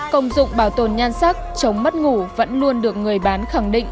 công dụng bảo tồn nhan sắc chống mất ngủ vẫn luôn được người bán khẳng định